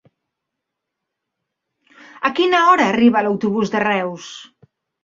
A quina hora arriba l'autobús de Reus?